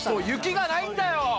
雪がないんだよ。